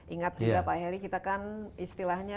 ingat juga pak heri kita kan istilahnya